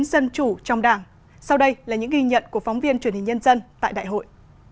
sau đây là những ghi nhận của phóng viên truyền hình nhân dân tại đại hội